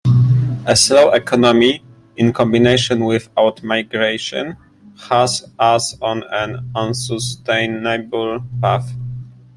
A slow economy, in combination with out-migration has us on an unsustainable path.